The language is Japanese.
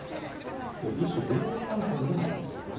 一種、ゲーム感覚でもあるんですよね。